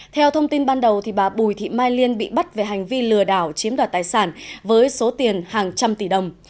theo thông tin ban đầu bà bùi thị mai liên bị bắt về hành vi lừa đảo chiếm đoạt tài sản với số tiền hàng trăm tỷ đồng